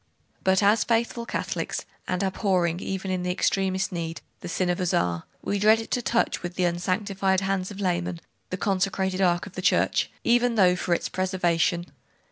'But as faithful Catholics, and abhorring even in the extremest need, the sin of Uzzah, we dreaded to touch with the unsanctified hands of laymen the consecrated ark of the Church, even though for its preservation....